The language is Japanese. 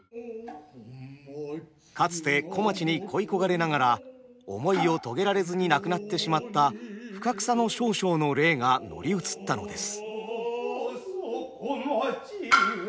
かつて小町に恋い焦がれながら思いを遂げられずに亡くなってしまった深草少将の霊が乗り移ったのです。